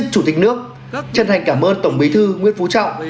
ông giữ chức chủ tịch nước chân thành cảm ơn tổng bí thư nguyễn phú trọng